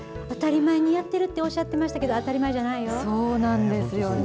当たり前にやってるっておっしゃってましたけど、当り前じゃないですよ。